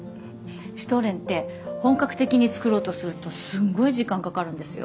シュトーレンって本格的に作ろうとするとすんごい時間かかるんですよ。